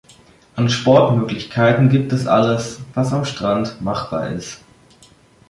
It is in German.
An Sportmöglichkeiten gibt es alles, was am Strand machbar ist.